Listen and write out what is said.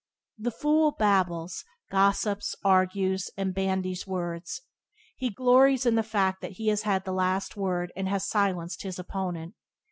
The fool babbles, gossips, argues, and bandies words. He glories in the fact that he has had the last word and has silenced his opponent.